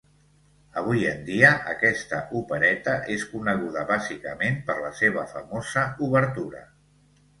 Avui en dia aquesta opereta és coneguda bàsicament per la seva famosa obertura.